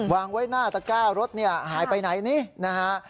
วางไว้หน้าตะก้ารถเนี่ยหายไปไหนนี่นะฮะ